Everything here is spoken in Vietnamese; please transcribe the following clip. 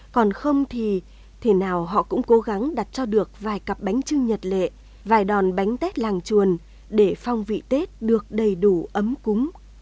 còn không thì thế nào họ cũng cố gắng đặt cho được vài cặp bánh trưng nhật lệ vài đòn bánh tết làng chuồn để phong vị tết được đầy đủ ấm cúng